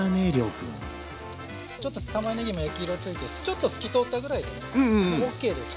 ちょっとたまねぎも焼き色ついてちょっと透き通ったぐらいでねもうＯＫです。